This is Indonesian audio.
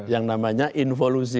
yang namanya involusi